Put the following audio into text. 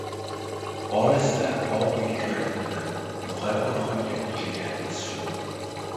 Olisda oq uy ko‘rindimi, No‘g‘ayqo‘rg‘onga kelganimiz shu!